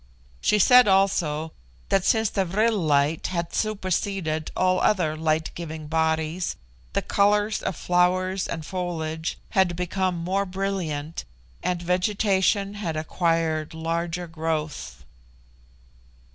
She said also, that since the vril light had superseded all other light giving bodies, the colours of flower and foliage had become more brilliant, and vegetation had acquired larger growth.